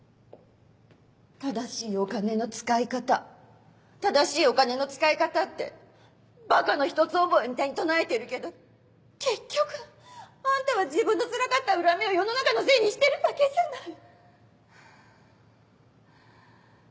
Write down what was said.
「正しいお金の使い方正しいお金の使い方」ってばかのひとつ覚えみたいに唱えてるけど結局あんたは自分のつらかった恨みを世の中のせいにしてるだけじゃない。